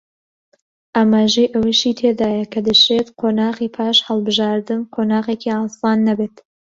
ئاماژەی ئەوەیشی تێدایە کە دەشێت قۆناغی پاش هەڵبژاردن قۆناغێکی ئاسان نەبێت